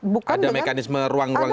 bukan dengan ada mekanisme ruang ruang